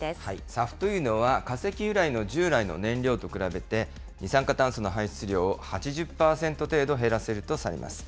ＳＡＦというのは、化石由来の従来の燃料と比べて、二酸化炭素の排出量を８０％程度減らせるとされます。